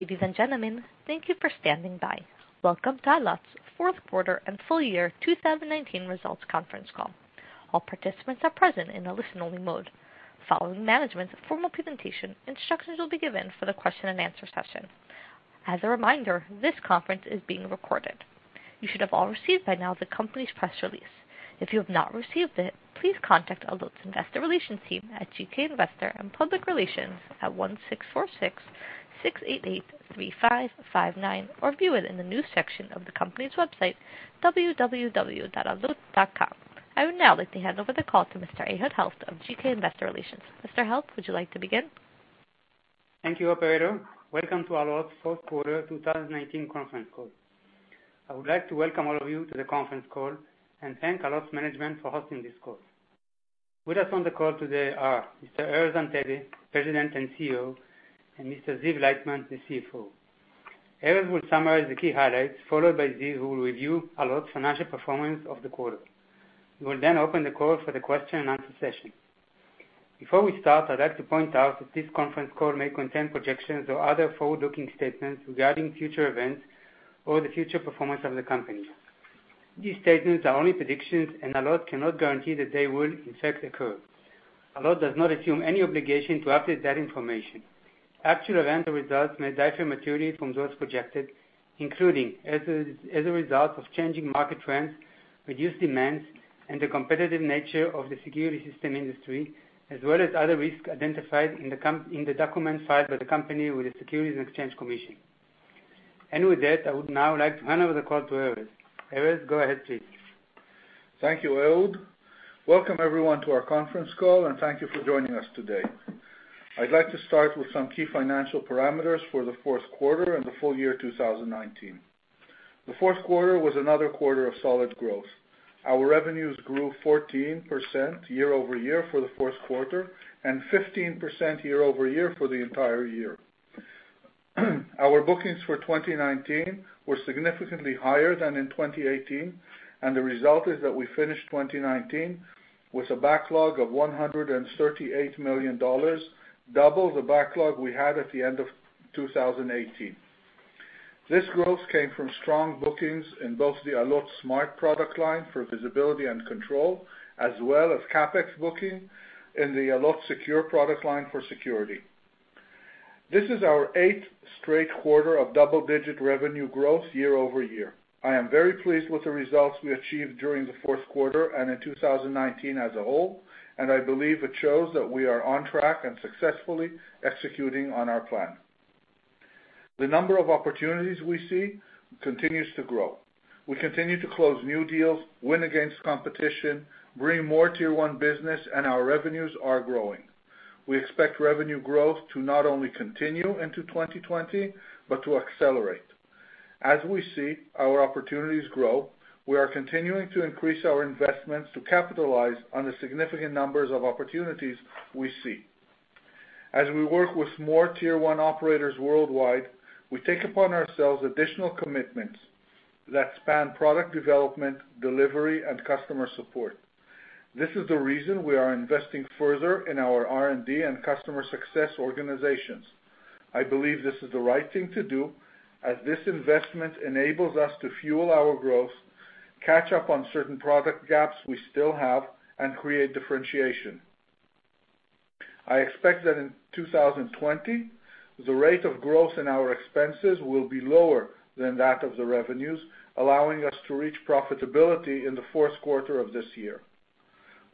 Ladies and gentlemen, thank you for standing by. Welcome to Allot's fourth quarter and full year 2019 results conference call. All participants are present in a listen-only mode. Following management's formal presentation, instructions will be given for the question and answer session. As a reminder, this conference is being recorded. You should have all received by now the company's press release. If you have not received it, please contact Allot's investor relations team at GK Investor & Public Relations at 1-646-688-3559 or view it in the news section of the company's website, www.allot.com. I would now like to hand over the call to Mr. Ehud Helft of GK Investor Relations. Mr. Helft, would you like to begin? Thank you, operator. Welcome to Allot's fourth quarter 2019 conference call. I would like to welcome all of you to the conference call and thank Allot's management for hosting this call. With us on the call today are Mr. Erez Antebi, President and CEO, and Mr. Ziv Leitman, the CFO. Erez will summarize the key highlights, followed by Ziv, who will review Allot's financial performance of the quarter. We will open the call for the question and answer session. Before we start, I'd like to point out that this conference call may contain projections or other forward-looking statements regarding future events or the future performance of the company. These statements are only predictions. Allot cannot guarantee that they will in fact occur. Allot does not assume any obligation to update that information. Actual events or results may differ materially from those projected, including as a result of changing market trends, reduced demands, and the competitive nature of the security system industry, as well as other risks identified in the document filed by the company with the Securities and Exchange Commission. With that, I would now like to hand over the call to Erez. Erez, go ahead, please. Thank you, Ehud. Welcome everyone to our conference call, and thank you for joining us today. I'd like to start with some key financial parameters for the fourth quarter and the full year 2019. The fourth quarter was another quarter of solid growth. Our revenues grew 14% year-over-year for the fourth quarter, and 15% year-over-year for the entire year. Our bookings for 2019 were significantly higher than in 2018, and the result is that we finished 2019 with a backlog of $138 million, double the backlog we had at the end of 2018. This growth came from strong bookings in both the Allot Smart product line for visibility and control, as well as CapEx booking in the Allot Secure product line for security. This is our eighth straight quarter of double-digit revenue growth year-over-year. I am very pleased with the results we achieved during the fourth quarter and in 2019 as a whole, and I believe it shows that we are on track and successfully executing on our plan. The number of opportunities we see continues to grow. We continue to close new deals, win against competition, bring more Tier 1 business, and our revenues are growing. We expect revenue growth to not only continue into 2020, but to accelerate. As we see our opportunities grow, we are continuing to increase our investments to capitalize on the significant numbers of opportunities we see. As we work with more Tier 1 operators worldwide, we take upon ourselves additional commitments that span product development, delivery, and customer support. This is the reason we are investing further in our R&D and customer success organizations. I believe this is the right thing to do, as this investment enables us to fuel our growth, catch up on certain product gaps we still have, and create differentiation. I expect that in 2020, the rate of growth in our expenses will be lower than that of the revenues, allowing us to reach profitability in the fourth quarter of this year.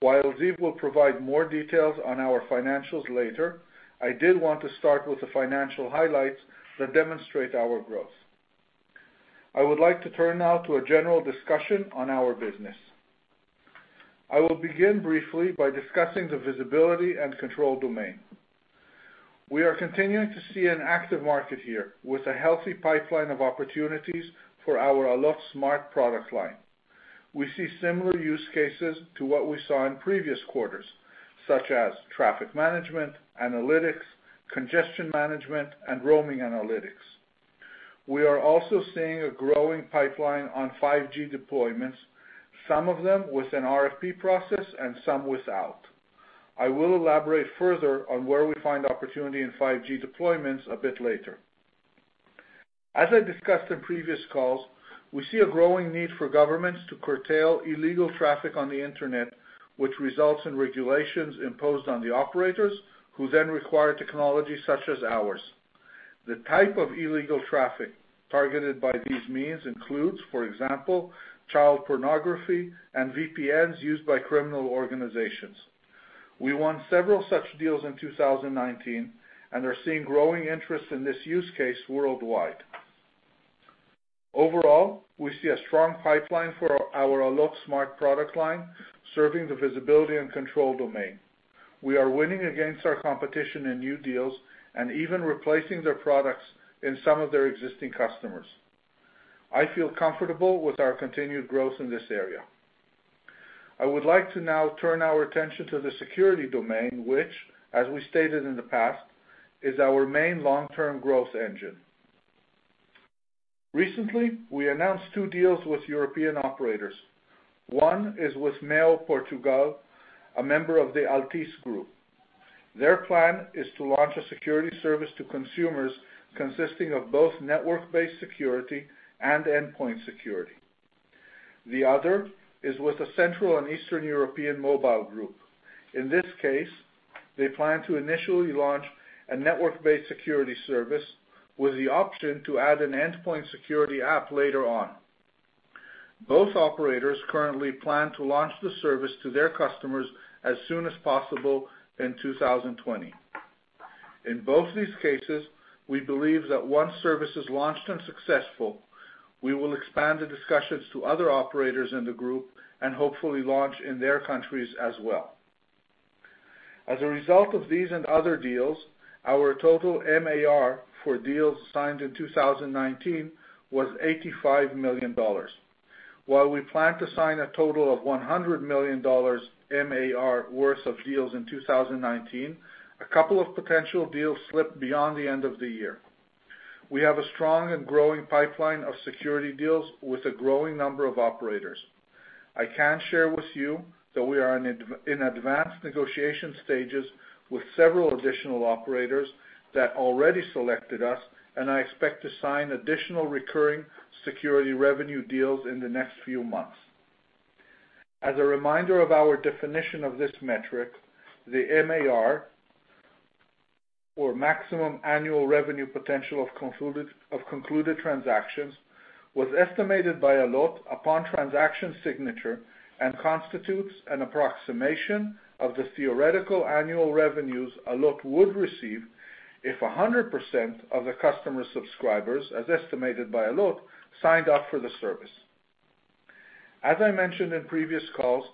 While Ziv will provide more details on our financials later, I did want to start with the financial highlights that demonstrate our growth. I would like to turn now to a general discussion on our business. I will begin briefly by discussing the visibility and control domain. We are continuing to see an active market here, with a healthy pipeline of opportunities for our Allot Smart product line. We see similar use cases to what we saw in previous quarters, such as traffic management, analytics, congestion management, and roaming analytics. We are also seeing a growing pipeline on 5G deployments, some of them with an RFP process and some without. I will elaborate further on where we find opportunity in 5G deployments a bit later. As I discussed in previous calls, we see a growing need for governments to curtail illegal traffic on the internet, which results in regulations imposed on the operators, who then require technology such as ours. The type of illegal traffic targeted by these means includes, for example, child pornography and VPNs used by criminal organizations. We won several such deals in 2019 and are seeing growing interest in this use case worldwide. Overall, we see a strong pipeline for our Allot Smart product line, serving the visibility and control domain. We are winning against our competition in new deals and even replacing their products in some of their existing customers. I feel comfortable with our continued growth in this area. I would like to now turn our attention to the security domain, which, as we stated in the past, is our main long-term growth engine. Recently, we announced two deals with European operators. One is with MEO Portugal, a member of the Altice group. Their plan is to launch a security service to consumers consisting of both network-based security and endpoint security. The other is with a Central and Eastern European mobile group. In this case, they plan to initially launch a network-based security service with the option to add an endpoint security app later on. Both operators currently plan to launch the service to their customers as soon as possible in 2020. In both these cases, we believe that once service is launched and successful, we will expand the discussions to other operators in the group and hopefully launch in their countries as well. As a result of these and other deals, our total MAR for deals signed in 2019 was $85 million. While we plan to sign a total of $100 million MAR worth of deals in 2019, a couple of potential deals slipped beyond the end of the year. We have a strong and growing pipeline of security deals with a growing number of operators. I can share with you that we are in advanced negotiation stages with several additional operators that already selected us, and I expect to sign additional recurring security revenue deals in the next few months. As a reminder of our definition of this metric, the MAR, or maximum annual revenue potential of concluded transactions, was estimated by Allot upon transaction signature, and constitutes an approximation of the theoretical annual revenues Allot would receive if 100% of the customer subscribers, as estimated by Allot, signed up for the service. As I mentioned in previous calls,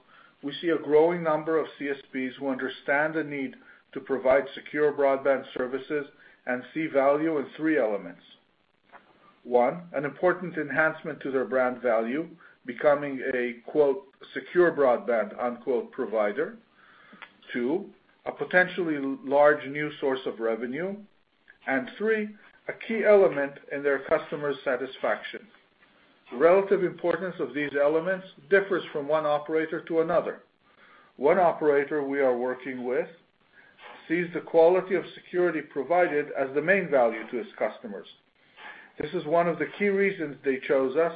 we see a growing number of CSPs who understand the need to provide secure broadband services and see value in three elements. One, an important enhancement to their brand value, becoming a, quote, "secure broadband," unquote, provider. Two, a potentially large new source of revenue. Three, a key element in their customer satisfaction. Relative importance of these elements differs from one operator to another. One operator we are working with sees the quality of security provided as the main value to its customers. This is one of the key reasons they chose us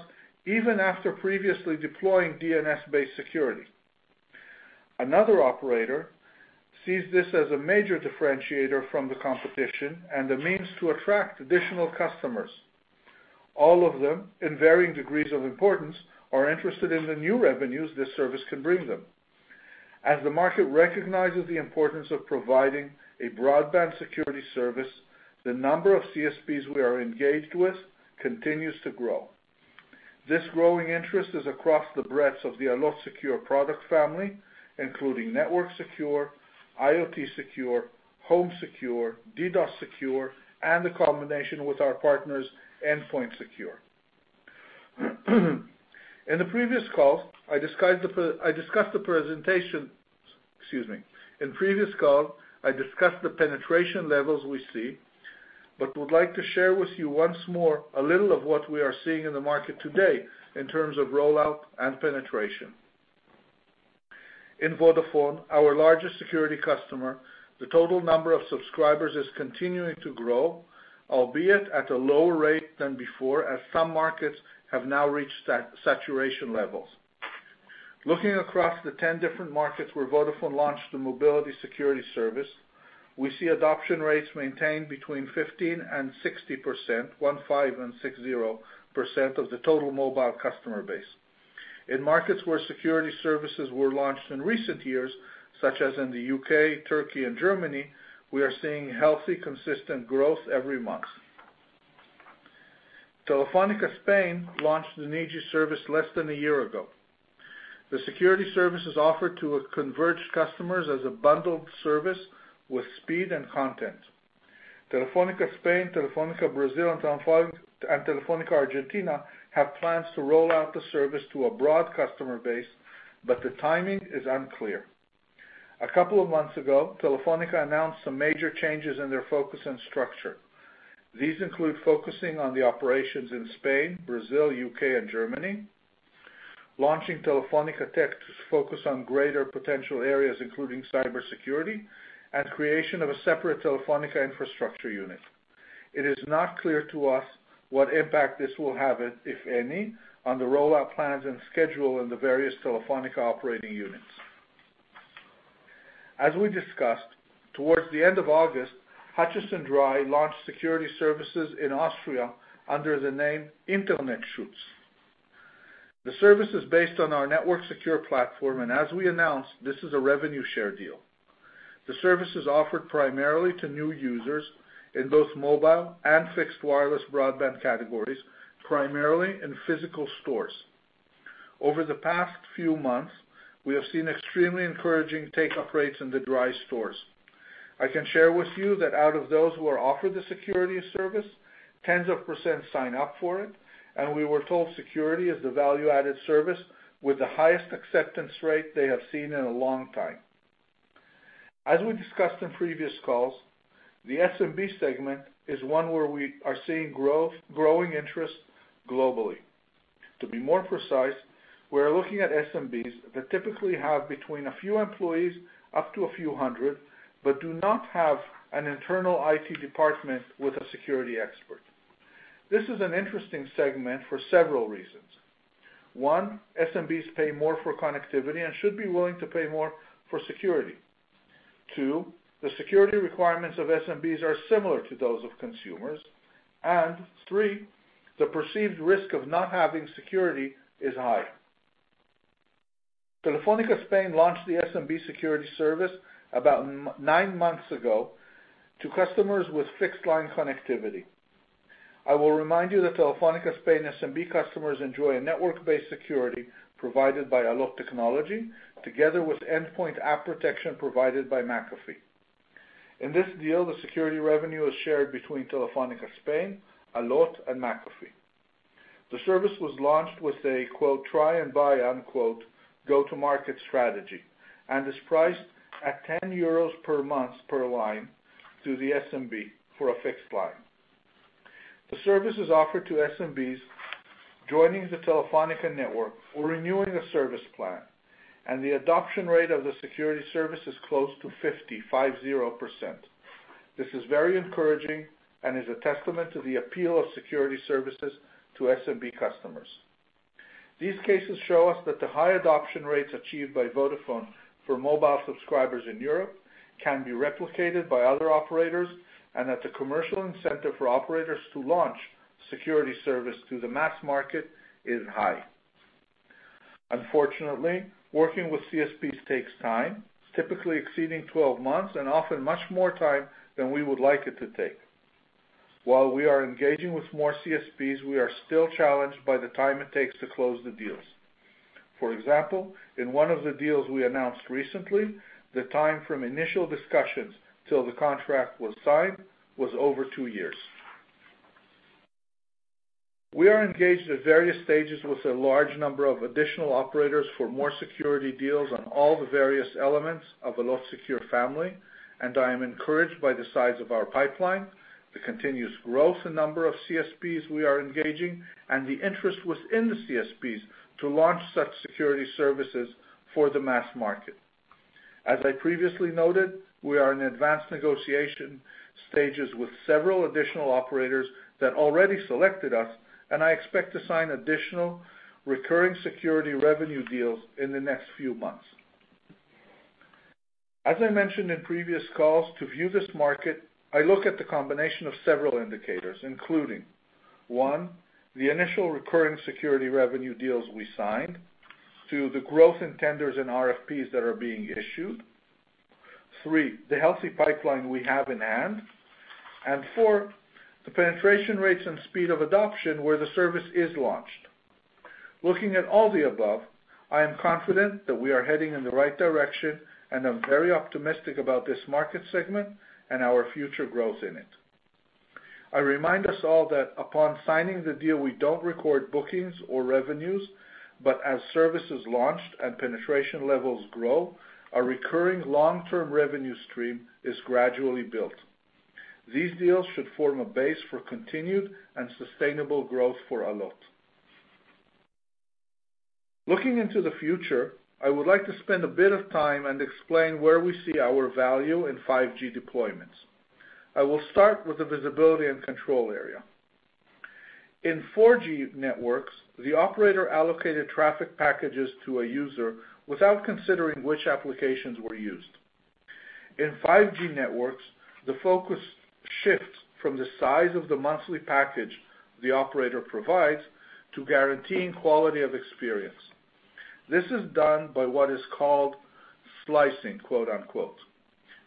even after previously deploying DNS-based security. Another operator sees this as a major differentiator from the competition and a means to attract additional customers. All of them, in varying degrees of importance, are interested in the new revenues this service can bring them. As the market recognizes the importance of providing a broadband security service, the number of CSPs we are engaged with continues to grow. This growing interest is across the breadth of the Allot Secure product family, including NetworkSecure, IoTSecure, HomeSecure, DDoS Secure, and the combination with our partners, EndpointSecure. In the previous call, I discussed the penetration levels we see, but would like to share with you once more a little of what we are seeing in the market today in terms of rollout and penetration. In Vodafone, our largest security customer, the total number of subscribers is continuing to grow, albeit at a lower rate than before, as some markets have now reached saturation levels. Looking across the 10 different markets where Vodafone launched the mobility security service, we see adoption rates maintained between 15% and 60%, one-five and 6-0% of the total mobile customer base. In markets where security services were launched in recent years, such as in the U.K., Turkey, and Germany, we are seeing healthy, consistent growth every month. Telefónica Spain launched the Conexión Segura service less than a year ago. The security service is offered to converged customers as a bundled service with speed and content. Telefónica Spain, Telefônica Brasil, and Telefónica Argentina have plans to roll out the service to a broad customer base, but the timing is unclear. A couple of months ago, Telefónica announced some major changes in their focus and structure. These include focusing on the operations in Spain, Brazil, U.K., and Germany, launching Telefónica Tech to focus on greater potential areas, including cybersecurity, and creation of a separate Telefónica infrastructure unit. It is not clear to us what impact this will have, if any, on the rollout plans and schedule in the various Telefónica operating units. As we discussed, towards the end of August, Hutchison Drei launched security services in Austria under the name Internetschutz. The service is based on our NetworkSecure platform, and as we announced, this is a revenue share deal. The service is offered primarily to new users in both mobile and fixed wireless broadband categories, primarily in physical stores. Over the past few months, we have seen extremely encouraging take-up rates in the Drei stores. I can share with you that out of those who are offered the security service, tens of percent sign up for it, and we were told security is the value-added service with the highest acceptance rate they have seen in a long time. As we discussed in previous calls, the SMB segment is one where we are seeing growing interest globally. To be more precise, we are looking at SMBs that typically have between a few employees up to a few hundred, but do not have an internal IT department with a security expert. This is an interesting segment for several reasons. One, SMBs pay more for connectivity and should be willing to pay more for security. Two, the security requirements of SMBs are similar to those of consumers. Three, the perceived risk of not having security is high. Telefónica Spain launched the SMB security service about nine months ago to customers with fixed line connectivity. I will remind you that Telefónica Spain SMB customers enjoy a network-based security provided by Allot technology, together with endpoint app protection provided by McAfee. In this deal, the security revenue is shared between Telefónica Spain, Allot, and McAfee. The service was launched with a "try and buy" go-to-market strategy and is priced at €10 per month per line to the SMB for a fixed line. The service is offered to SMBs joining the Telefónica network or renewing a service plan, and the adoption rate of the security service is close to 50%. These cases show us that the high adoption rates achieved by Vodafone for mobile subscribers in Europe can be replicated by other operators, and that the commercial incentive for operators to launch security service to the mass market is high. Unfortunately, working with CSPs takes time, typically exceeding 12 months and often much more time than we would like it to take. While we are engaging with more CSPs, we are still challenged by the time it takes to close the deals. For example, in one of the deals we announced recently, the time from initial discussions till the contract was signed was over two years. We are engaged at various stages with a large number of additional operators for more security deals on all the various elements of the Allot Secure family. I am encouraged by the size of our pipeline, the continuous growth in number of CSPs we are engaging, and the interest within the CSPs to launch such security services for the mass market. As I previously noted, we are in advanced negotiation stages with several additional operators that already selected us. I expect to sign additional recurring security revenue deals in the next few months. As I mentioned in previous calls, to view this market, I look at the combination of several indicators, including, one, the initial recurring security revenue deals we signed. Two, the growth in tenders and RFPs that are being issued. Three, the healthy pipeline we have in hand. Four, the penetration rates and speed of adoption where the service is launched. Looking at all the above, I am confident that we are heading in the right direction, and I'm very optimistic about this market segment and our future growth in it. I remind us all that upon signing the deal, we don't record bookings or revenues, but as services launched and penetration levels grow, a recurring long-term revenue stream is gradually built. These deals should form a base for continued and sustainable growth for Allot. Looking into the future, I would like to spend a bit of time and explain where we see our value in 5G deployments. I will start with the visibility and control area. In 4G networks, the operator allocated traffic packages to a user without considering which applications were used. In 5G networks, the focus shifts from the size of the monthly package the operator provides to guaranteeing quality of experience. This is done by what is called "slicing,"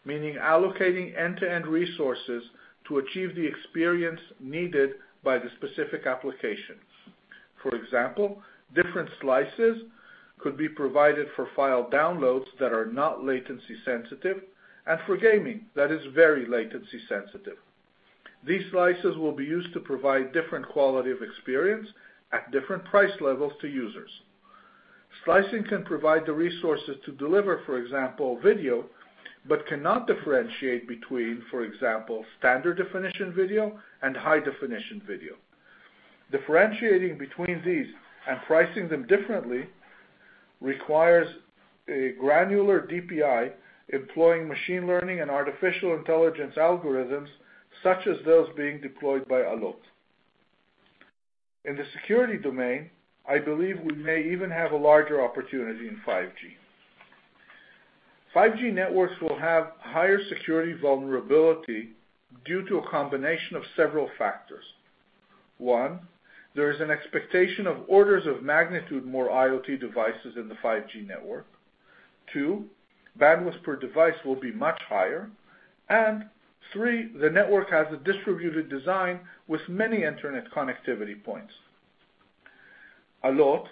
meaning allocating end-to-end resources to achieve the experience needed by the specific application. For example, different slices could be provided for file downloads that are not latency sensitive and for gaming that is very latency sensitive. These slices will be used to provide different quality of experience at different price levels to users. Slicing can provide the resources to deliver, for example, video, but cannot differentiate between, for example, standard definition video and high definition video. Differentiating between these and pricing them differently requires a granular DPI employing machine learning and artificial intelligence algorithms such as those being deployed by Allot. In the security domain, I believe we may even have a larger opportunity in 5G. 5G networks will have higher security vulnerability due to a combination of several factors. One, there is an expectation of orders of magnitude more IoT devices in the 5G network. Two, bandwidth per device will be much higher. Three, the network has a distributed design with many internet connectivity points. Allot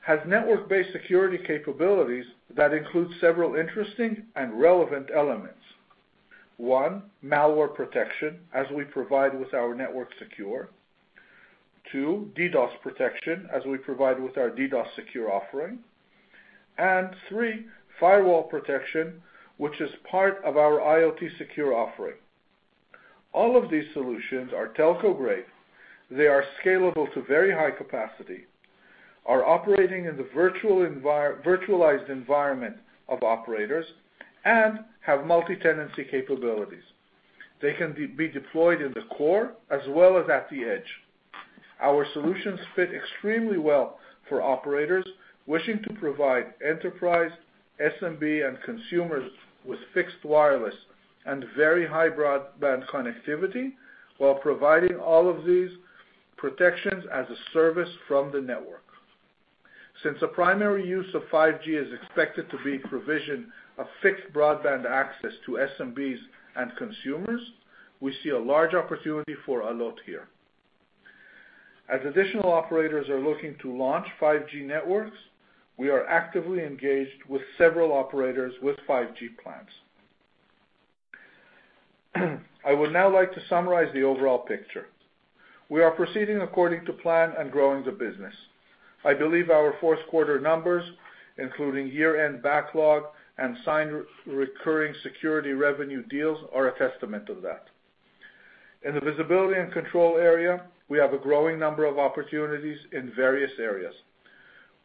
has network-based security capabilities that include several interesting and relevant elements. One, malware protection, as we provide with our NetworkSecure. Two, DDoS protection, as we provide with our DDoS Secure offering. Three, firewall protection, which is part of our IoTSecure offering. All of these solutions are telco-grade. They are scalable to very high capacity, are operating in the virtualized environment of operators, and have multi-tenancy capabilities. They can be deployed in the core as well as at the edge. Our solutions fit extremely well for operators wishing to provide enterprise, SMB, and consumers with fixed wireless and very high broadband connectivity, while providing all of these protections as a service from the network. Since the primary use of 5G is expected to be provision of fixed broadband access to SMBs and consumers, we see a large opportunity for Allot here. As additional operators are looking to launch 5G networks, we are actively engaged with several operators with 5G plans. I would now like to summarize the overall picture. We are proceeding according to plan and growing the business. I believe our fourth quarter numbers, including year-end backlog and signed recurring security revenue deals, are a testament to that. In the visibility and control area, we have a growing number of opportunities in various areas.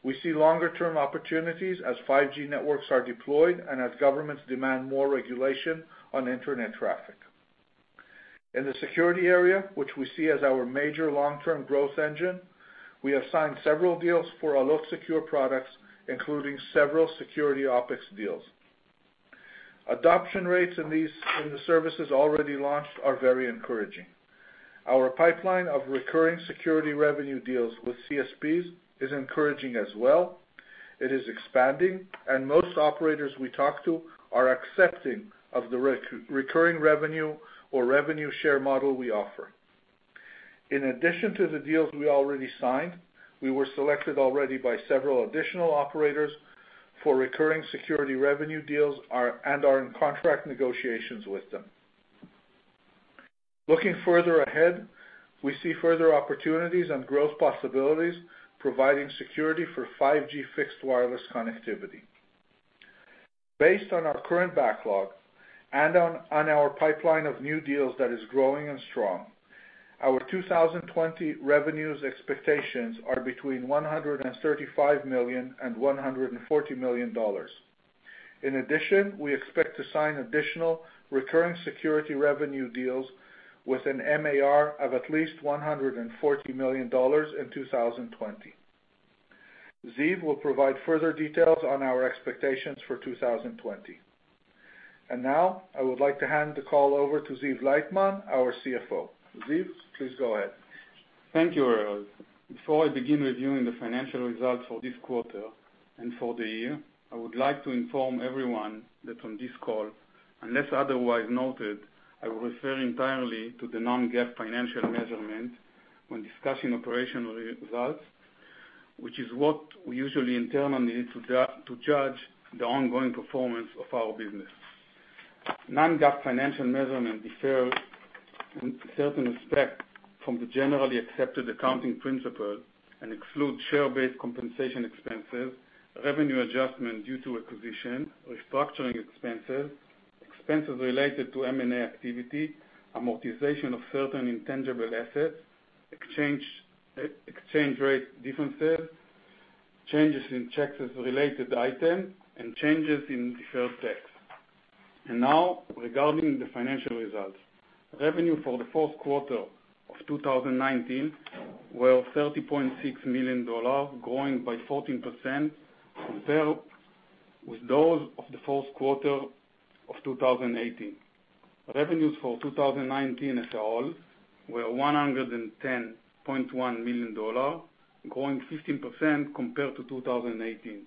We see longer term opportunities as 5G networks are deployed and as governments demand more regulation on internet traffic. In the security area, which we see as our major long-term growth engine, we have signed several deals for Allot Secure products, including several security OpEx deals. Adoption rates in the services already launched are very encouraging. Our pipeline of recurring security revenue deals with CSPs is encouraging as well. It is expanding, and most operators we talk to are accepting of the recurring revenue or revenue share model we offer. In addition to the deals we already signed, we were selected already by several additional operators for recurring security revenue deals and are in contract negotiations with them. Looking further ahead, we see further opportunities and growth possibilities, providing security for 5G fixed wireless connectivity. Based on our current backlog and on our pipeline of new deals that is growing and strong, our 2020 revenues expectations are between $135 million and $140 million. In addition, we expect to sign additional recurring security revenue deals with an MAR of at least $140 million in 2020. Ziv will provide further details on our expectations for 2020. Now I would like to hand the call over to Ziv Leitman, our CFO. Ziv, please go ahead. Thank you, Erez. Before I begin reviewing the financial results for this quarter and for the year, I would like to inform everyone that on this call, unless otherwise noted, I will refer entirely to the non-GAAP financial measurement when discussing operational results, which is what we usually internally need to judge the ongoing performance of our business. Non-GAAP financial measurement differs in certain respect from the generally accepted accounting principle and excludes share-based compensation expenses, revenue adjustment due to acquisition, restructuring expenses related to M&A activity, amortization of certain intangible assets, exchange rate differences, changes in taxes-related item, and changes in deferred tax. Now, regarding the financial results. Revenue for the fourth quarter of 2019 were $30.6 million, growing by 14% compared with those of the fourth quarter of 2018. Revenues for 2019 as a whole were $110.1 million, growing 15% compared to 2018.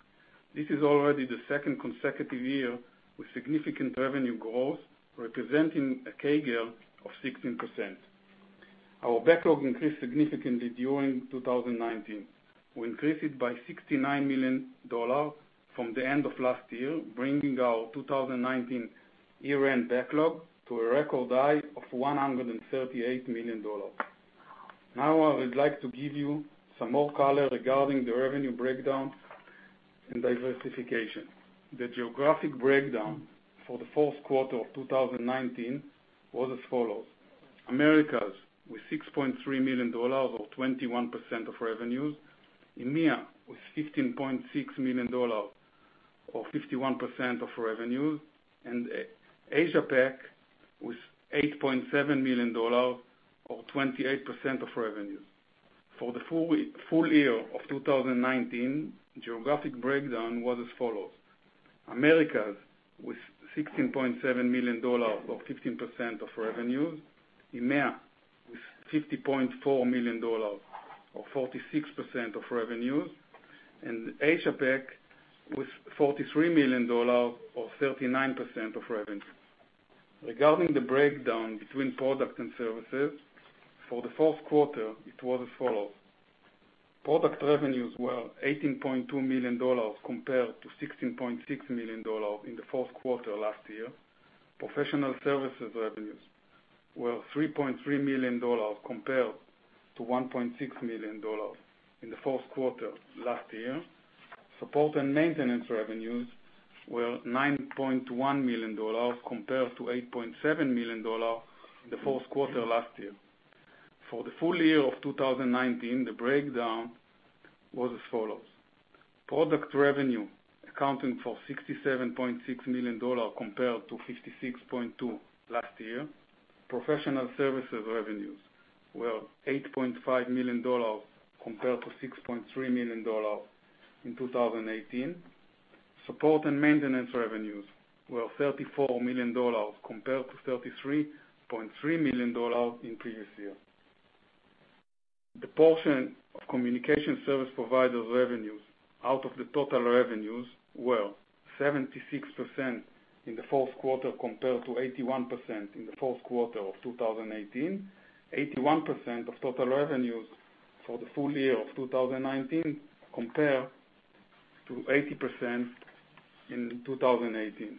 This is already the second consecutive year with significant revenue growth, representing a CAGR of 16%. Our backlog increased significantly during 2019. We increased it by $69 million from the end of last year, bringing our 2019 year-end backlog to a record high of $138 million. I would like to give you some more color regarding the revenue breakdown and diversification. The geographic breakdown for the fourth quarter of 2019 was as follows: Americas with $6.3 million, or 21% of revenues. EMEA with $15.6 million, or 51% of revenues. Asia Pac with $8.7 million, or 28% of revenues. For the full year of 2019, geographic breakdown was as follows: Americas with $16.7 million, or 15% of revenues. EMEA with $50.4 million, or 46% of revenues. Asia Pac with $43 million, or 39% of revenues. Regarding the breakdown between product and services, for the fourth quarter, it was as follows. Product revenues were $18.2 million compared to $16.6 million in the fourth quarter last year. Professional services revenues were $3.3 million compared to $1.6 million in the fourth quarter last year. Support and maintenance revenues were $9.1 million compared to $8.7 million the fourth quarter last year. For the full year of 2019, the breakdown was as follows: product revenue accounting for $67.6 million compared to $56.2 million last year. Professional services revenues were $8.5 million compared to $6.3 million in 2018. Support and maintenance revenues were $34 million compared to $33.3 million in previous year. The portion of communication service provider revenues out of the total revenues were 76% in the fourth quarter, compared to 81% in the fourth quarter of 2018. 81% of total revenues for the full year of 2019, compared to 80% in 2018.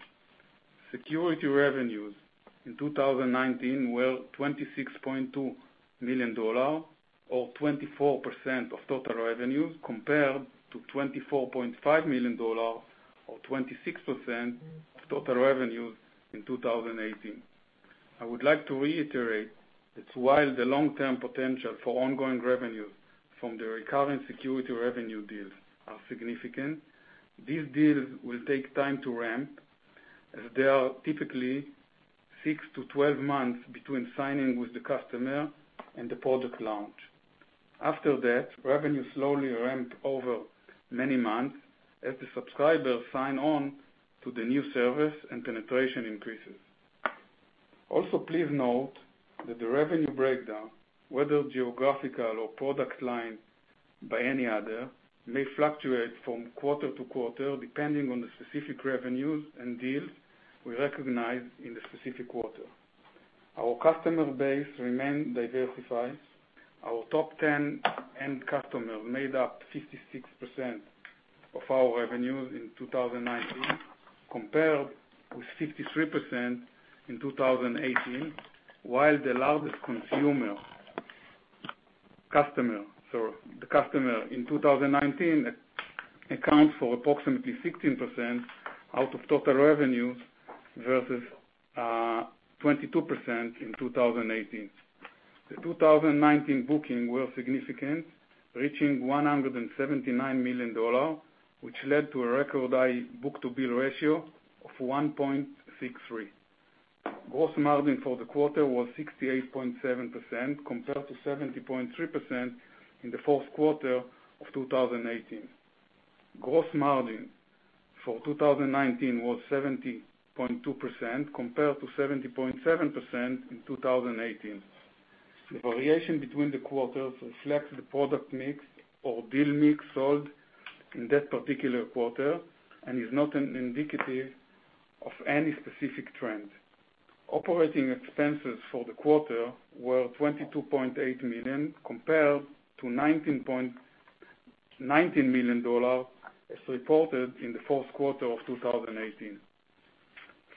Security revenues in 2019 were $26.2 million, or 24% of total revenues, compared to $24.5 million, or 26% of total revenues in 2018. I would like to reiterate that while the long-term potential for ongoing revenues from the recurring security revenue deals are significant, these deals will take time to ramp as they are typically six-12 months between signing with the customer and the product launch. After that, revenues slowly ramp over many months as the subscribers sign on to the new service and penetration increases. Please note that the revenue breakdown, whether geographical or product line by any other, may fluctuate from quarter to quarter depending on the specific revenues and deals we recognize in the specific quarter. Our customer base remains diversified. Our top 10 end customers made up 56% of our revenues in 2019, compared with 53% in 2018, while the largest customer, sorry, the customer in 2019 accounts for approximately 16% out of total revenues versus 22% in 2018. The 2019 booking were significant, reaching $179 million, which led to a record high book-to-bill ratio of 1.63. Gross margin for the quarter was 68.7%, compared to 70.3% in the fourth quarter of 2018. Gross margin for 2019 was 70.2%, compared to 70.7% in 2018. The variation between the quarters reflects the product mix or deal mix sold in that particular quarter and is not indicative of any specific trend. Operating expenses for the quarter were $22.8 million, compared to $19 million as reported in the fourth quarter of 2018.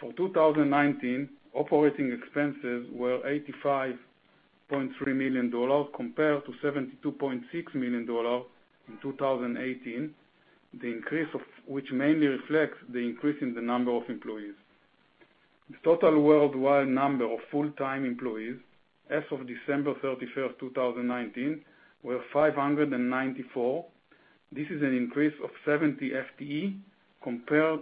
For 2019, operating expenses were $85.3 million compared to $72.6 million in 2018, the increase of which mainly reflects the increase in the number of employees. The total worldwide number of full-time employees as of December 31st, 2019, were 594. This is an increase of 70 FTE compared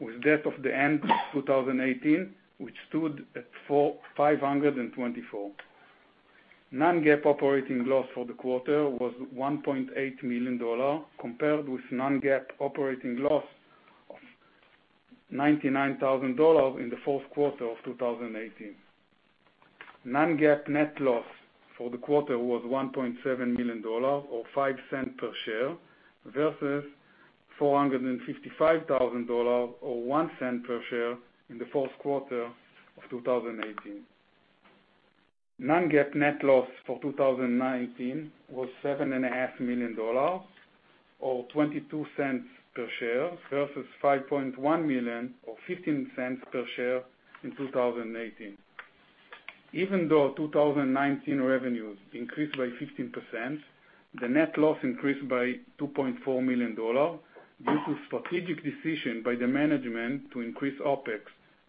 with that of the end 2018, which stood at 524. Non-GAAP operating loss for the quarter was $1.8 million, compared with non-GAAP operating loss of $99,000 in the fourth quarter of 2018. Non-GAAP net loss for the quarter was $1.7 million, or $0.05 per share, versus $455,000 or $0.01 per share in the fourth quarter of 2018. Non-GAAP net loss for 2019 was $7.5 million or $0.22 per share, versus $5.1 million or $0.15 per share in 2018. Even though 2019 revenues increased by 15%, the net loss increased by $2.4 million due to strategic decision by the management to increase OpEx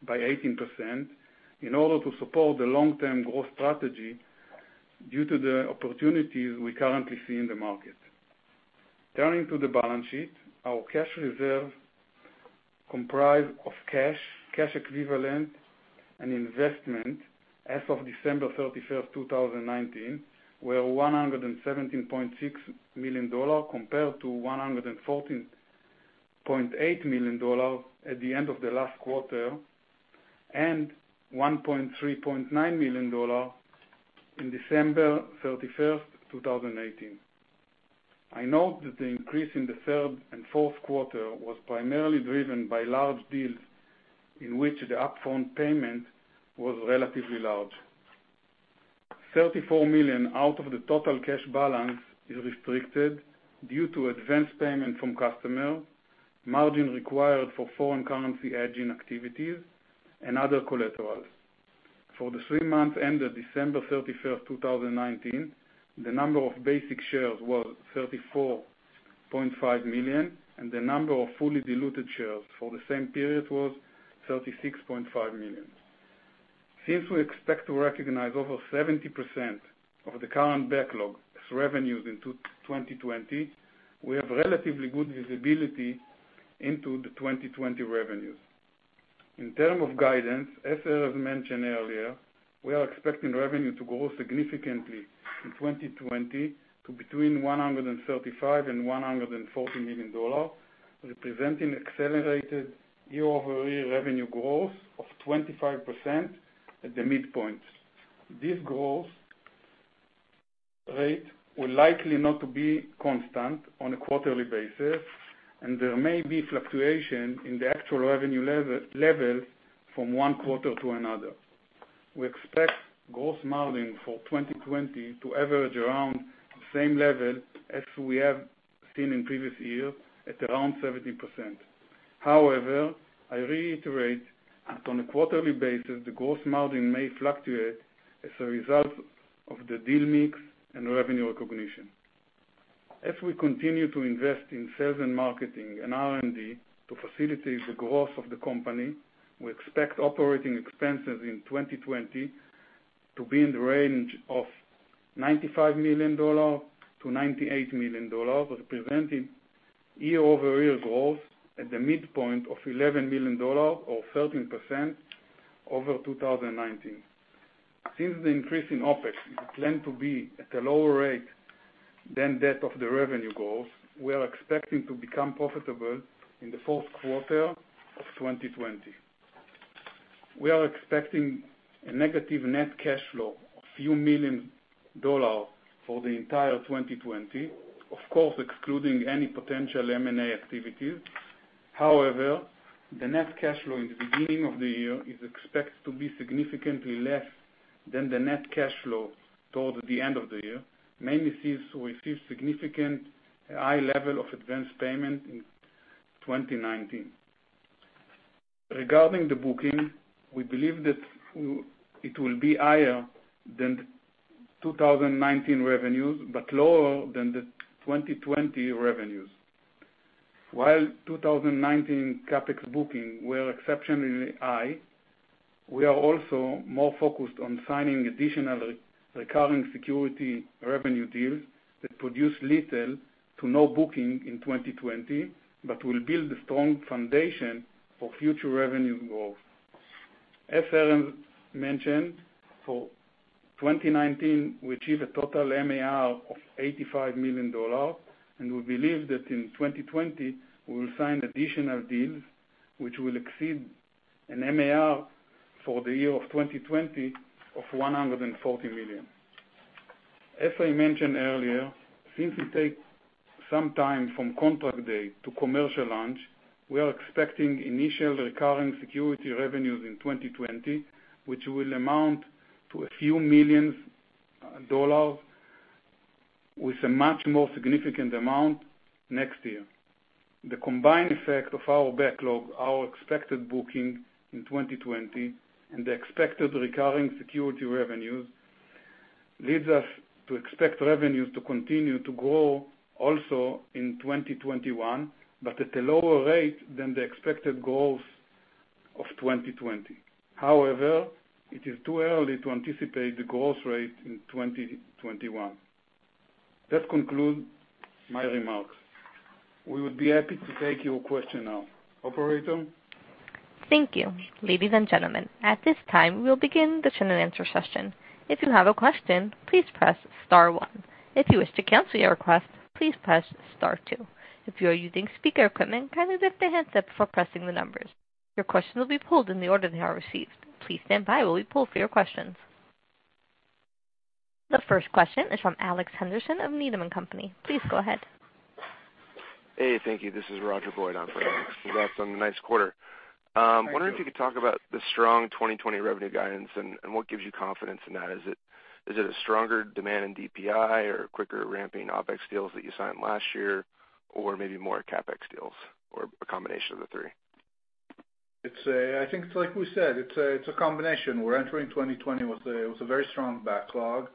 by 18% in order to support the long-term growth strategy due to the opportunities we currently see in the market. Turning to the balance sheet, our cash reserves comprise of cash equivalent, and investment as of December 31st, 2019, were $117.6 million, compared to $114.8 million at the end of the last quarter, and $139 million in December 31st, 2018. I note that the increase in the third and fourth quarter was primarily driven by large deals in which the upfront payment was relatively large. $34 million out of the total cash balance is restricted due to advanced payment from customer, margin required for foreign currency hedging activities, and other collaterals. For the three months ended December 31st, 2019, the number of basic shares was $34.5 million, and the number of fully diluted shares for the same period was $36.5 million. Since we expect to recognize over 70% of the current backlog as revenues in 2020, we have relatively good visibility into the 2020 revenues. In term of guidance, as Erez mentioned earlier, we are expecting revenue to grow significantly in 2020 to between $135 million and $140 million, representing accelerated year-over-year revenue growth of 25% at the midpoint. This growth rate will likely not be constant on a quarterly basis, and there may be fluctuation in the actual revenue level from one quarter to another. We expect gross margin for 2020 to average around the same level as we have seen in previous year, at around 70%. However, I reiterate that on a quarterly basis, the gross margin may fluctuate as a result of the deal mix and revenue recognition. As we continue to invest in sales and marketing and R&D to facilitate the growth of the company, we expect OpEx in 2020 to be in the range of $95 million-$98 million, representing year-over-year growth at the midpoint of $11 million or 13% over 2019. Since the increase in OpEx is planned to be at a lower rate than that of the revenue growth, we are expecting to become profitable in the fourth quarter of 2020. We are expecting a negative net cash flow of a few million dollars for the entire 2020, of course, excluding any potential M&A activities. However, the net cash flow in the beginning of the year is expected to be significantly less than the net cash flow toward the end of the year, mainly since we see significant high level of advanced payment in 2019. Regarding the booking, we believe that it will be higher than 2019 revenues, but lower than the 2020 revenues. While 2019 CapEx booking were exceptionally high, we are also more focused on signing additional recurring security revenue deals that produce little to no booking in 2020, but will build a strong foundation for future revenue growth. As Erez mentioned, for 2019, we achieved a total MAR of $85 million, and we believe that in 2020, we will sign additional deals, which will exceed an MAR for the year of 2020 of $140 million. As I mentioned earlier, since it takes some time from contract date to commercial launch, we are expecting initial recurring security revenues in 2020, which will amount to a few million dollars with a much more significant amount next year. The combined effect of our backlog, our expected booking in 2020, and the expected recurring security revenues leads us to expect revenues to continue to grow also in 2021, but at a lower rate than the expected growth of 2020. It is too early to anticipate the growth rate in 2021. That conclude my remarks. We would be happy to take your question now. Operator? Thank you. Ladies and gentlemen, at this time, we'll begin the general answer session. If you have a question, please press star one. If you wish to cancel your request, please press star two. If you are using speaker equipment, kindly lift the handset before pressing the numbers. Your question will be pulled in the order they are received. Please stand by while we pull for your questions. The first question is from Alex Henderson of Needham & Company. Please go ahead. Hey, thank you. This is Roger Boyd on for Alex. Congrats on the nice quarter. Thank you. Wondering if you could talk about the strong 2020 revenue guidance and what gives you confidence in that. Is it a stronger demand in DPI or quicker ramping OpEx deals that you signed last year, or maybe more CapEx deals, or a combination of the three? I think it's like we said, it's a combination. We're entering 2020 with a very strong backlog.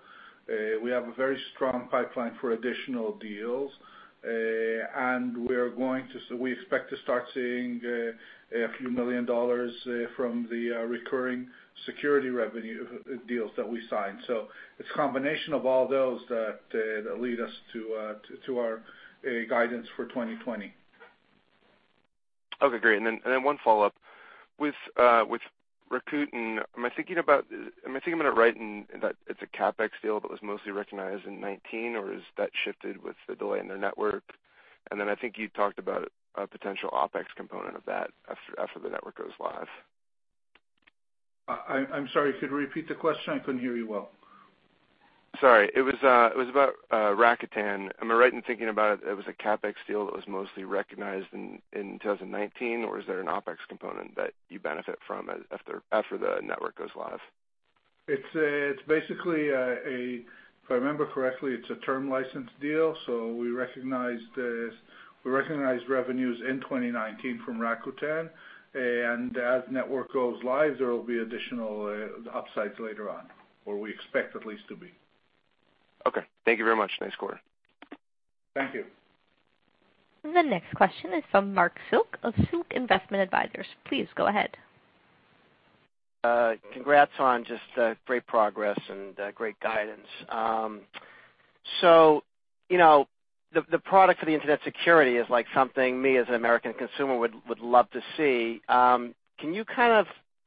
We have a very strong pipeline for additional deals. We expect to start seeing a few million dollars from the recurring security revenue deals that we signed. It's a combination of all those that lead us to our guidance for 2020. Okay, great. One follow-up. With Rakuten, am I thinking about it right in that it's a CapEx deal that was mostly recognized in 2019, or has that shifted with the delay in their network? I think you talked about a potential OpEx component of that after the network goes live. I'm sorry. Could you repeat the question? I couldn't hear you well. Sorry. It was about Rakuten. Am I right in thinking about it was a CapEx deal that was mostly recognized in 2019, or is there an OpEx component that you benefit from after the network goes live? It's basically, if I remember correctly, it's a term license deal. We recognized revenues in 2019 from Rakuten. As network goes live, there will be additional upsides later on, or we expect at least to be. Okay. Thank you very much. Nice quarter. Thank you. The next question is from Marc Silk of Silk Investment Advisors. Please go ahead. Congrats on just great progress and great guidance. The product for the internet security is something me, as an American consumer, would love to see. Can you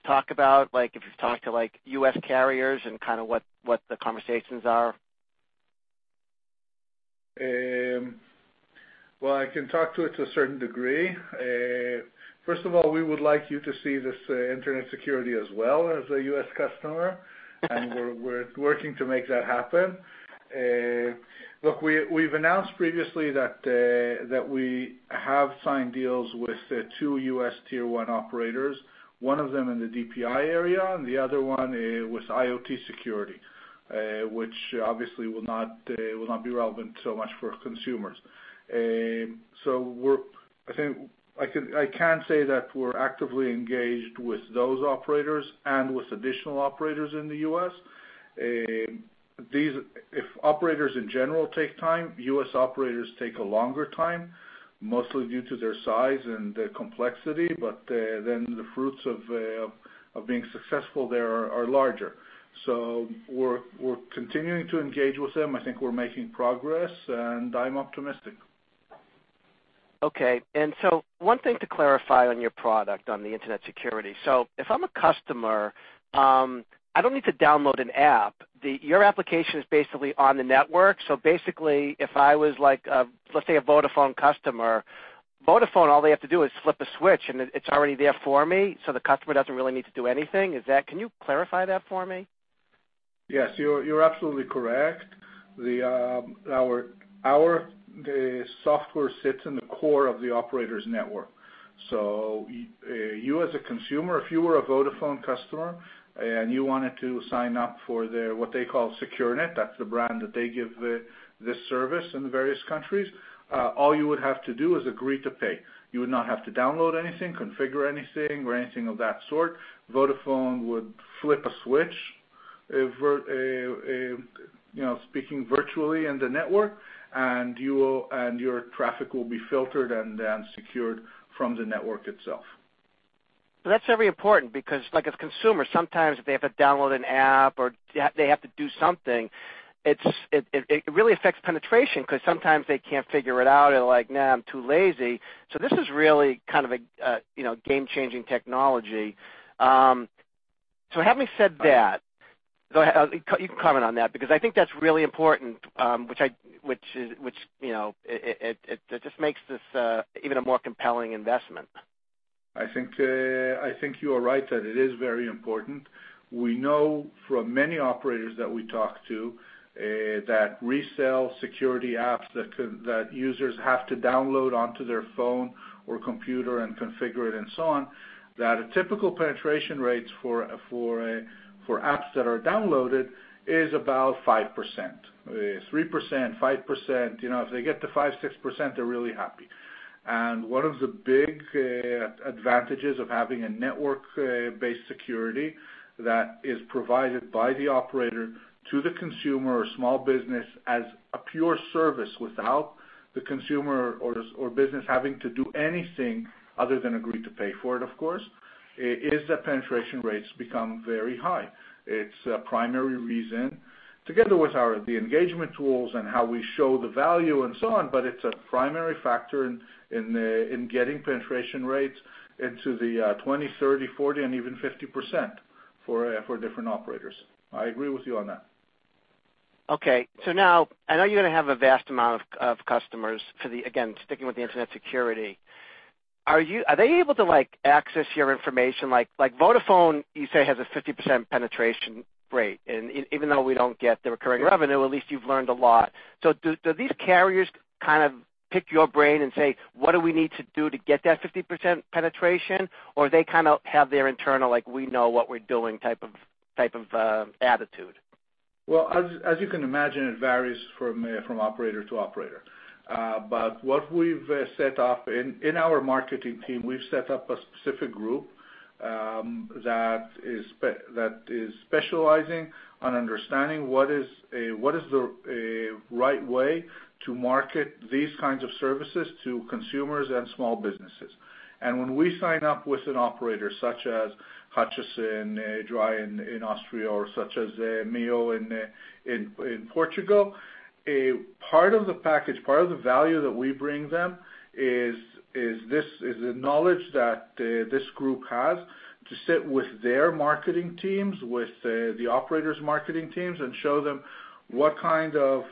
talk about, if you've talked to U.S. carriers and what the conversations are? I can talk to it to a certain degree. First of all, we would like you to see this internet security as well as a U.S. customer, and we're working to make that happen. We've announced previously that we have signed deals with two U.S. Tier One operators, one of them in the DPI area, and the other one with IoTSecure, which obviously will not be relevant so much for consumers. I can say that we're actively engaged with those operators and with additional operators in the U.S. If operators, in general, take time, U.S. operators take a longer time, mostly due to their size and the complexity, the fruits of being successful there are larger. We're continuing to engage with them. I think we're making progress, and I'm optimistic. Okay. One thing to clarify on your product, on the internet security. If I'm a customer, I don't need to download an app. Your application is basically on the network. Basically, if I was, let's say, a Vodafone customer, Vodafone, all they have to do is flip a switch, and it's already there for me, so the customer doesn't really need to do anything. Can you clarify that for me? Yes, you're absolutely correct. Our software sits in the core of the operator's network. You as a consumer, if you were a Vodafone customer, and you wanted to sign up for their, what they call Secure Net, that's the brand that they give this service in the various countries, all you would have to do is agree to pay. You would not have to download anything, configure anything, or anything of that sort. Vodafone would flip a switch, speaking virtually in the network, and your traffic will be filtered and then secured from the network itself. That's very important because, like as a consumer, sometimes if they have to download an app or they have to do something, it really affects penetration because sometimes they can't figure it out. They're like, "Nah, I'm too lazy." This is really a game-changing technology. Having said that, go ahead. You can comment on that, because I think that's really important, which just makes this even a more compelling investment. I think you are right that it is very important. We know from many operators that we talk to that resell security apps that users have to download onto their phone or computer and configure it and so on, that a typical penetration rates for apps that are downloaded is about 5%. 3%, 5%. If they get to 5%, 6%, they're really happy. One of the big advantages of having a network-based security that is provided by the operator to the consumer or small business as a pure service without the consumer or business having to do anything other than agree to pay for it, of course, is that penetration rates become very high. It's a primary reason, together with the engagement tools and how we show the value and so on, but it's a primary factor in getting penetration rates into the 20, 30, 40, and even 50% for different operators. I agree with you on that. Okay. Now, I know you're going to have a vast amount of customers for the, again, sticking with the Internet security. Are they able to access your information? Like Vodafone, you say, has a 50% penetration rate, and even though we don't get the recurring revenue, at least you've learned a lot. Do these carriers pick your brain and say, "What do we need to do to get that 50% penetration?" Or they have their internal, like, "We know what we're doing" type of attitude? Well, as you can imagine, it varies from operator to operator. What we've set up in our marketing team, we've set up a specific group that is specializing on understanding what is the right way to market these kinds of services to consumers and small businesses. When we sign up with an operator such as Hutchison, Drei in Austria or such as MEO in Portugal, part of the package, part of the value that we bring them is the knowledge that this group has to sit with their marketing teams, with the operators' marketing teams, and show them what kind of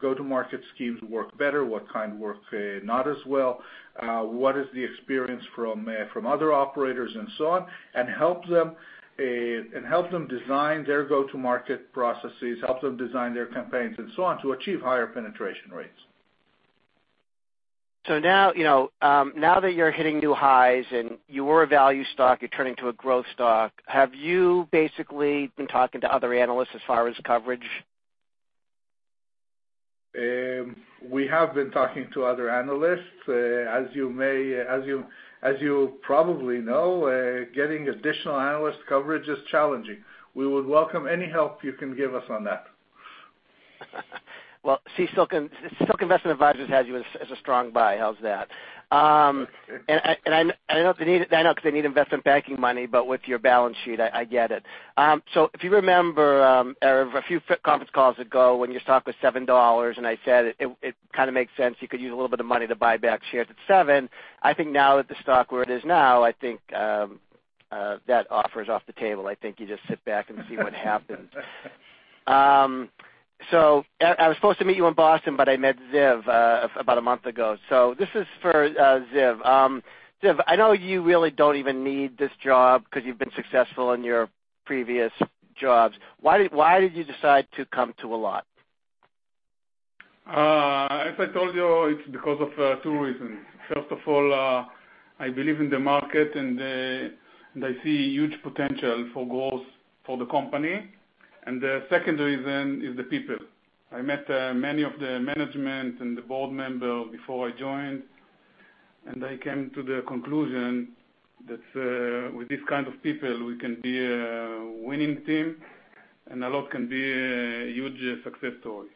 go-to-market schemes work better, what kind work not as well, what is the experience from other operators and so on, and help them design their go-to-market processes, help them design their campaigns and so on to achieve higher penetration rates. Now that you're hitting new highs and you were a value stock, you're turning to a growth stock, have you basically been talking to other analysts as far as coverage? We have been talking to other analysts. As you probably know, getting additional analyst coverage is challenging. We would welcome any help you can give us on that. Well, Silk Investment Advisors has you as a strong buy. How's that? That's good. I know because they need investment banking money, but with your balance sheet, I get it. If you remember, a few conference calls ago when your stock was $7, and I said it kind of makes sense, you could use a little bit of money to buy back shares at $7. I think now that the stock where it is now, I think that offer is off the table. I think you just sit back and see what happens. I was supposed to meet you in Boston, but I met Ziv about a month ago. This is for Ziv. Ziv, I know you really don't even need this job because you've been successful in your previous jobs. Why did you decide to come to Allot? As I told you, it's because of two reasons. First of all, I believe in the market, and I see huge potential for growth for the company. The second reason is the people. I met many of the management and the board member before I joined, and I came to the conclusion that, with these kind of people, we can be a winning team, and Allot can be a huge success story.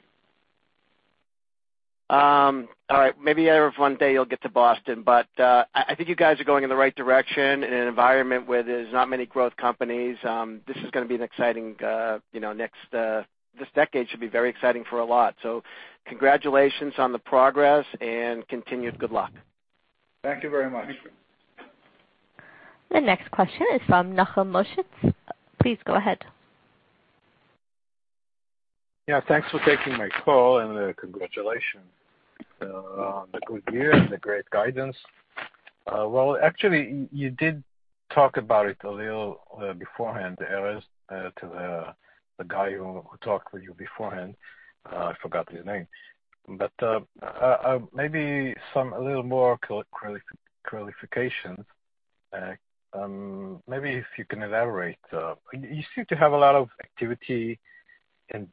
All right. Maybe one day you'll get to Boston, I think you guys are going in the right direction in an environment where there's not many growth companies. This decade should be very exciting for Allot. Congratulations on the progress and continued good luck. Thank you very much. Thank you. The next question is from Nachum Moshez. Please go ahead. Thanks for taking my call and congratulations on the good year and the great guidance. Well, actually, you did talk about it a little beforehand, Erez, to the guy who talked with you beforehand. I forgot his name. Maybe a little more clarification, maybe if you can elaborate. You seem to have a lot of activity.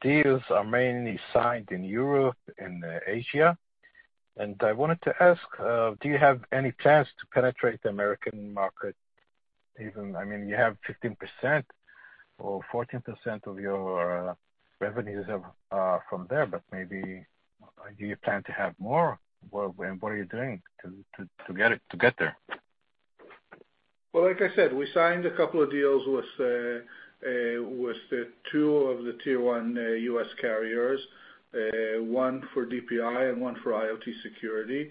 Deals are mainly signed in Europe and Asia. I wanted to ask, do you have any plans to penetrate the American market even? You have 15% or 14% of your revenues are from there. Maybe do you plan to have more, and what are you doing to get there? Well, like I said, we signed a couple of deals with two of the tier 1 U.S. carriers, one for DPI and one for IoT security,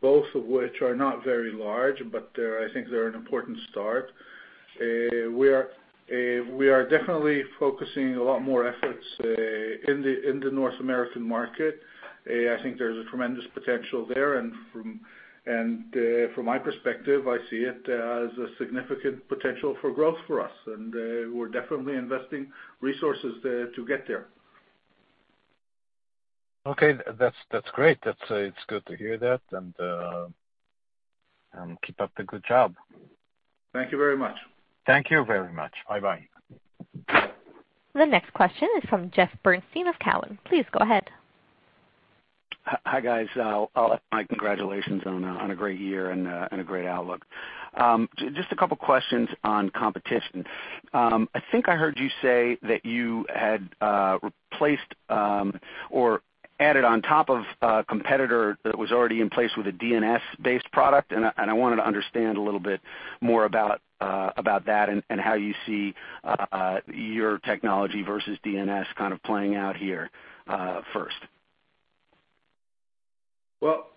both of which are not very large, but I think they're an important start. We are definitely focusing a lot more efforts in the North American market. I think there's a tremendous potential there, and from my perspective, I see it as a significant potential for growth for us. We're definitely investing resources there to get there. Okay. That's great. It's good to hear that and keep up the good job. Thank you very much. Thank you very much. Bye bye. The next question is from Jeffrey Bernstein of Cowen. Please go ahead. Hi, guys. I'll add my congratulations on a great year and a great outlook. Just a couple questions on competition. I think I heard you say that you had replaced, or added on top of a competitor that was already in place with a DNS-based product, and I wanted to understand a little bit more about that and how you see your technology versus DNS kind of playing out here first. Well,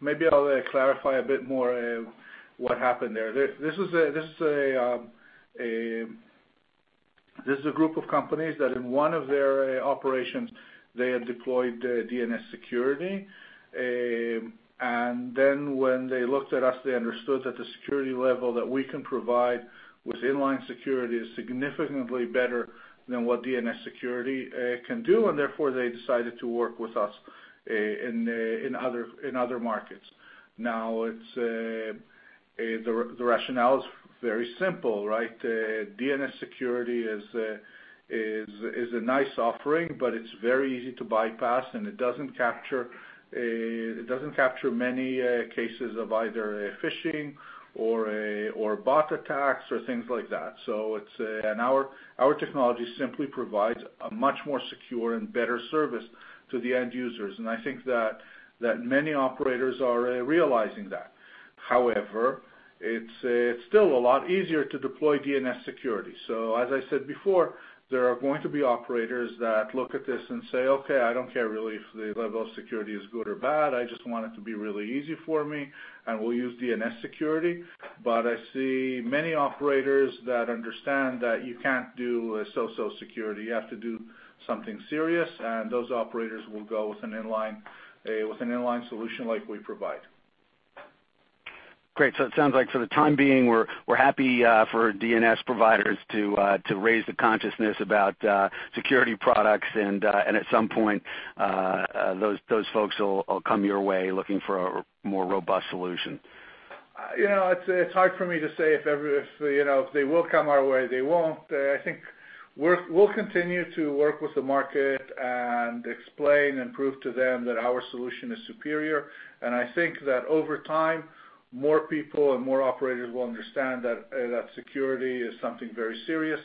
maybe I'll clarify a bit more what happened there. This is a group of companies that in one of their operations, they had deployed DNS security. When they looked at us, they understood that the security level that we can provide with inline security is significantly better than what DNS security can do, and therefore they decided to work with us in other markets. The rationale is very simple, right? DNS security is a nice offering, but it's very easy to bypass, and it doesn't capture many cases of either phishing or bot attacks or things like that. Our technology simply provides a much more secure and better service to the end users, and I think that many operators are realizing that. However, it's still a lot easier to deploy DNS security. As I said before, there are going to be operators that look at this and say, "Okay, I don't care really if the level of security is good or bad. I just want it to be really easy for me, and we'll use DNS security." I see many operators that understand that you can't do a so-so security. You have to do something serious, and those operators will go with an inline solution like we provide. Great. It sounds like for the time being, we're happy for DNS providers to raise the consciousness about security products, and at some point, those folks will come your way looking for a more robust solution. It's hard for me to say if they will come our way, they won't. I think we'll continue to work with the market and explain and prove to them that our solution is superior. I think that over time, more people and more operators will understand that security is something very serious,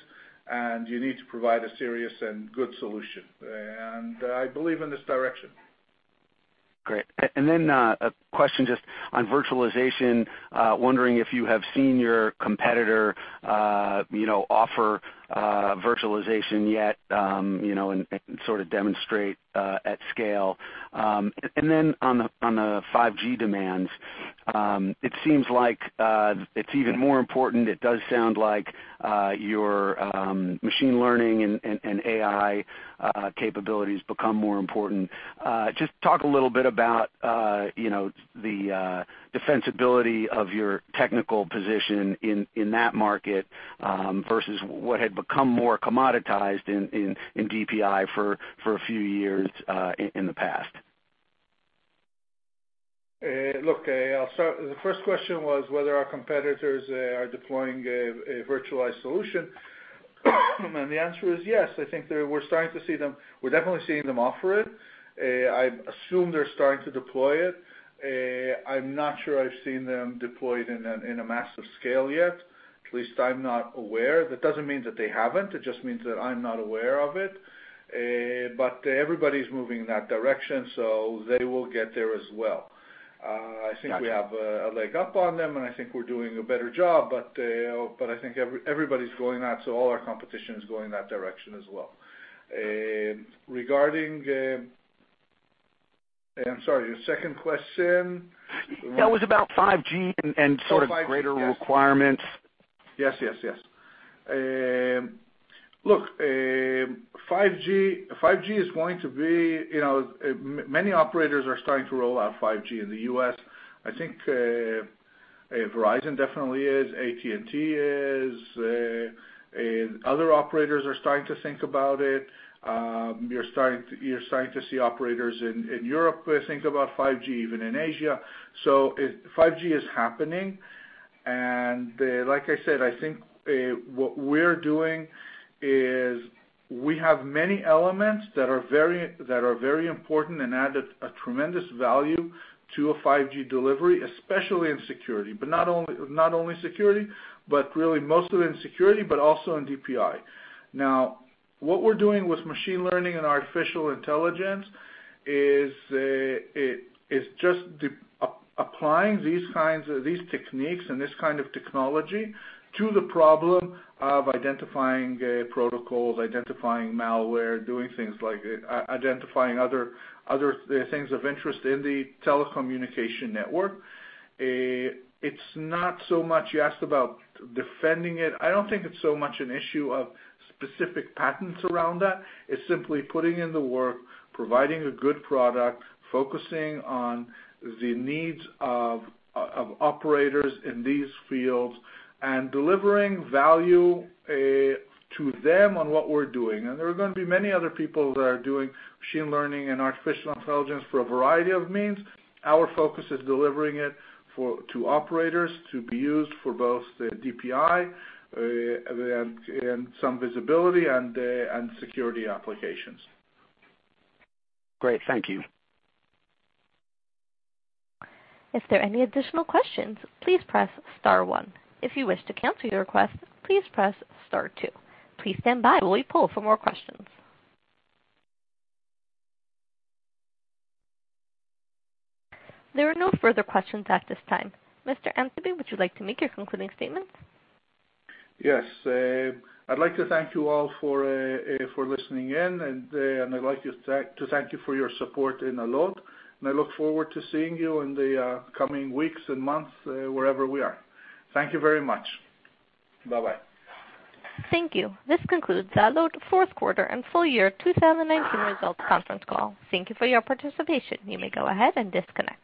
and you need to provide a serious and good solution. I believe in this direction. Great. A question just on virtualization. Wondering if you have seen your competitor offer virtualization yet, and sort of demonstrate at scale. On the 5G demands, it seems like it's even more important. It does sound like your machine learning and AI capabilities become more important. Just talk a little bit about the defensibility of your technical position in that market, versus what had become more commoditized in DPI for a few years in the past. Look, I'll start. The first question was whether our competitors are deploying a virtualized solution, the answer is yes. I think we're definitely seeing them offer it. I assume they're starting to deploy it. I'm not sure I've seen them deployed in a massive scale yet. At least I'm not aware. That doesn't mean that they haven't, it just means that I'm not aware of it. Everybody's moving in that direction, so they will get there as well. Got you. I think we have a leg up on them, and I think we're doing a better job, but I think everybody's going that, so all our competition is going that direction as well. I'm sorry, your second question. That was about 5G and sort of greater requirements. Yes. Look, many operators are starting to roll out 5G in the U.S. I think Verizon definitely is, AT&T is. Other operators are starting to think about it. You're starting to see operators in Europe think about 5G, even in Asia. 5G is happening, and like I said, I think what we're doing is we have many elements that are very important and add a tremendous value to a 5G delivery, especially in security. Not only security, but really mostly in security, but also in DPI. What we're doing with machine learning and artificial intelligence is just applying these techniques and this kind of technology to the problem of identifying protocols, identifying malware, doing things like identifying other things of interest in the telecommunication network. It's not so much you asked about defending it. I don't think it's so much an issue of specific patents around that. It's simply putting in the work, providing a good product, focusing on the needs of operators in these fields, and delivering value to them on what we're doing. There are going to be many other people that are doing machine learning and artificial intelligence for a variety of means. Our focus is delivering it to operators to be used for both the DPI, and some visibility, and security applications. Great. Thank you. If there are any additional questions, please press star one. If you wish to cancel your request, please press star two. Please stand by while we poll for more questions. There are no further questions at this time. Mr. Antebi, would you like to make your concluding statements? I'd like to thank you all for listening in, and I'd like to thank you for your support in Allot, and I look forward to seeing you in the coming weeks and months wherever we are. Thank you very much. Bye-bye. Thank you. This concludes Allot fourth quarter and full year 2019 results conference call. Thank you for your participation. You may go ahead and disconnect.